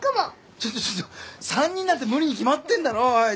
ちょっとちょっと３人なんて無理に決まってんだろおいちょっと。